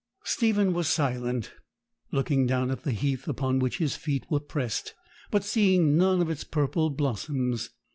Stephen was silent, looking down at the heath upon which his feet were pressed, but seeing none of its purple blossoms.